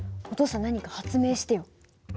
お父さん何か発明してよ。